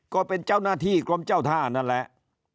ก็เป็นเจ้าหน้าที่กรมเจ้าท่านั่นแหละ